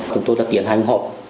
chúng tôi đã tiến hành họp